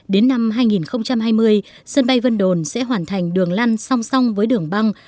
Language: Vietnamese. đến năm hai nghìn hai mươi sân bay vân đồn sẽ hoàn thành đường lăn song song với đường băng